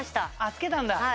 つけたんだ。